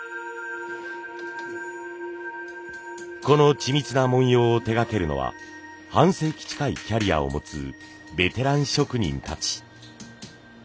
この緻密な文様を手がけるのは半世紀近いキャリアを持つベテラン職人たち。